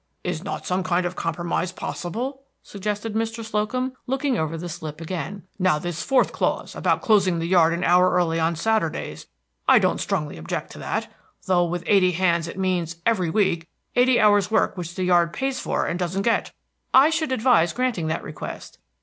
"Is not some kind of compromise possible?" suggested Mr. Slocum, looking over the slip again. "Now this fourth clause, about closing the yard an hour early on Saturdays, I don't strongly object to that, though with eighty hands it means, every week, eighty hours' work which the yard pays for and doesn't get." "I should advise granting that request.